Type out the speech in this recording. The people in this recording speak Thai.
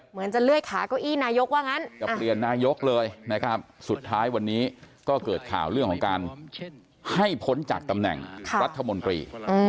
เหมือนจะเลื่อยขาเก้าอี้นายกว่างั้นจะเปลี่ยนนายกเลยนะครับสุดท้ายวันนี้ก็เกิดข่าวเรื่องของการให้พ้นจากตำแหน่งรัฐมนตรี